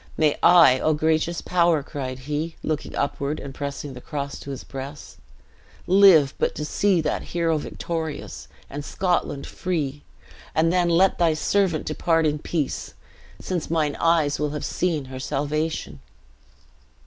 May I, O gracious Power!" cried he, looking upward, and pressing the cross to his breast, "live but to see that hero victorious, and Scotland free, and then 'let thy servant depart in peace, since mine eyes will have seen her salvation!'"